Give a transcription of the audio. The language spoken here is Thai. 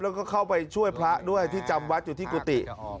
แล้วก็เข้าไปช่วยพระด้วยที่จำวัดอยู่ที่กุฏิ